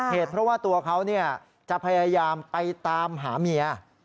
เหตุเพราะว่าตัวเขาจะพยายามไปตามหาเมีย